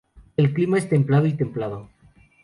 El clima es templado y templado.